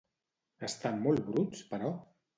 Estan molt bruts, però?